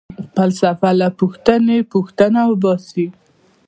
فلسفه له پوښتنې٬ پوښتنه وباسي.